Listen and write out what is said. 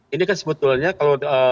ini kan sebetulnya kalau